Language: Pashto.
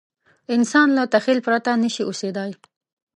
انسان له تخیل پرته نه شي اوسېدای.